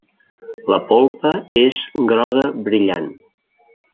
La polpa és groga brillant.